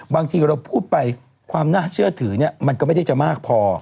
บางทีเราพูดไปความน่าเชื่อถือมันก็ไม่ได้จะมากพอ